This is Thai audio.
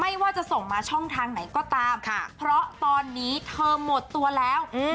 ไม่ว่าจะส่งมาช่องทางไหนก็ตามค่ะเพราะตอนนี้เธอหมดตัวแล้วอืม